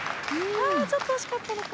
あちょっとおしかったのか。